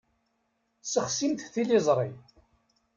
Sexsimt tiliẓṛi.